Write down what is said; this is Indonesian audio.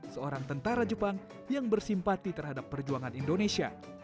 seorang tentara jepang yang bersimpati terhadap perjuangan indonesia